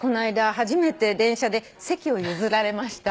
初めて電車で席を譲られました。